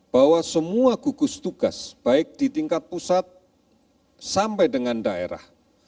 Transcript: bahwa semua gugus tugas baik di tingkat pusat sampai dengan daerah